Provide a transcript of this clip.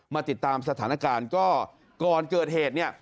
มาติดตามสถานการณ์ก็ก่อนเกิดเหตุเนี่ย